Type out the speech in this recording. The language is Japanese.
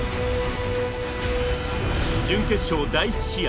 準決勝第１試合。